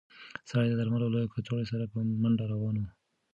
سړی د درملو له کڅوړې سره په منډه روان و.